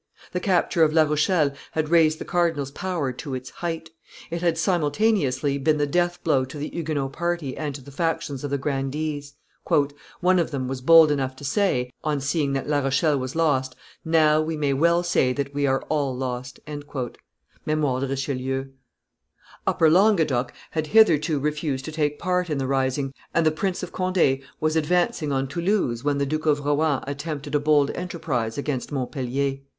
The capture of La Rochelle had raised the cardinal's power to its height; it had, simultaneously, been the death blow to the Huguenot party and to the factions of the grandees. "One of them was bold enough to say," on seeing that La Rochelle was lost, "Now we may well say that we are all lost." [Memoires de Richelieu] Upper Languedoc had hitherto refused to take part in the rising, and the Prince of Conde was advancing on Toulouse when the Duke of Rohan attempted a bold enterprise against Montpellier.